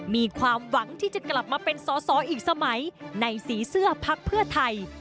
มีความหวังที่จะกลับมาเป็นสอสออีกสมัยในสีเสื้อพักเพื่อไทย